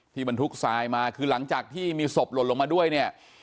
บรรทุกทรายมาคือหลังจากที่มีศพหล่นลงมาด้วยเนี่ย